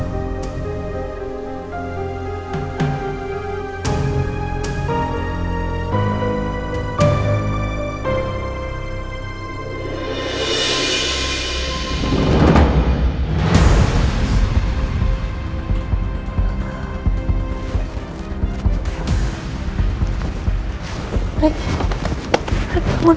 baik kita cek ke dalam